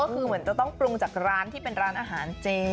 ก็คือเหมือนจะต้องปรุงจากร้านที่เป็นร้านอาหารเจ